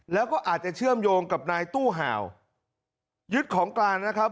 แล้วก็อาจจะเชื่อมโยงกับนายตู้ห่าวยึดของกลางนะครับ